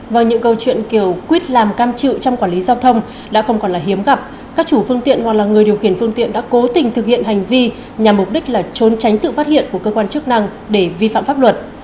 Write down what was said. với những câu chuyện kiều quyết làm cam chịu trong quản lý giao thông đã không còn là hiếm gặp các chủ phương tiện còn là người điều khiển phương tiện đã cố tình thực hiện hành vi nhằm mục đích là trốn tránh sự phát hiện của cơ quan chức năng để vi phạm pháp luật